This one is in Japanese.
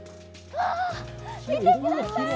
見てください！